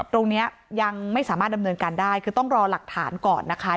ตรงนี้ยังไม่สามารถดำเนินการได้คือต้องรอหลักฐานก่อนนะคะ